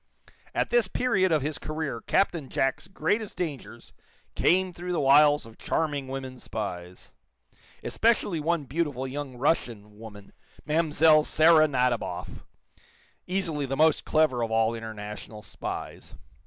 At this period of his career Captain Jack's greatest dangers came through the wiles of charming women spies, especially one beautiful young Russian woman, Mlle. Sara Nadiboff, easily the most clever of all international spies.